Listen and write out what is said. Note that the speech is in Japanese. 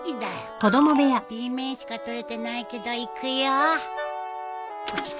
Ｂ面しかとれてないけどいくよ。